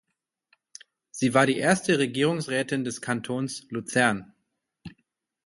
Sie war die erste Regierungsrätin des Kantons Luzern.